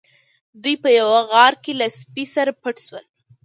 دوی په یوه غار کې له سپي سره پټ شول.